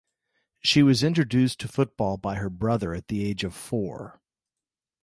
She was introduced to football by her brother at the age of four.